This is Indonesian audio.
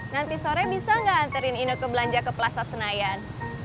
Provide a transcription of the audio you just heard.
nanti sore bisa nggak antarin iner ke belanja ke plaza senayan